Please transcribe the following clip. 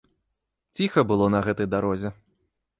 Ціха было на гэтай дарозе.